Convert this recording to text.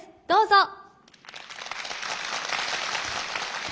どうぞ。